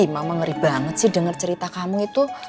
mama ngeri banget sih dengar cerita kamu itu